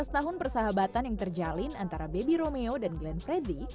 lima belas tahun persahabatan yang terjalin antara baby romeo dan glenn freddy